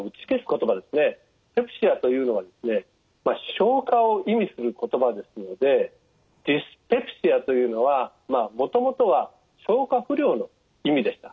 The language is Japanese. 消化を意味する言葉ですので「ディスペプシア」というのはもともとは消化不良の意味でした。